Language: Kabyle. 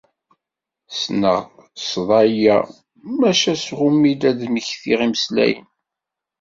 Ssneɣ ssḍa-ya maca sgumiɣ ad d-mmektiɣ imeslayen.